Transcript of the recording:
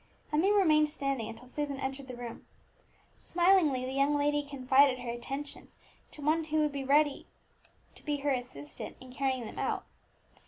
Emmie remained standing until Susan entered the room. Smilingly the young lady confided her intentions to one who would be her ready assistant in carrying them out.